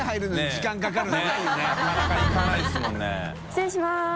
失礼します。